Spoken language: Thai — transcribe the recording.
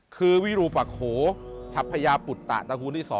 คือวิรุปะโขฉัพพญาปุตตะตระกูลที่๒